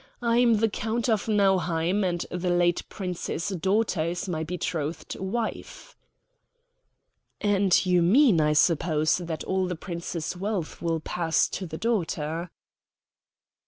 I'm the Count von Nauheim, and the late Prince's daughter is my betrothed wife." "And you mean, I suppose, that all the Prince's wealth will pass to the daughter?"